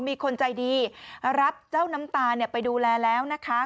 มีคนใจดีรับเจ้าน้ำตาลไปดูแลแล้วนะคะ